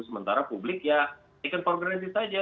sementara publik ya second for granted saja